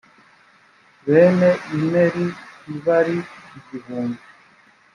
bene imeri i bari igihumbi.